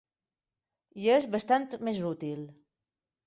I és bastant més útil.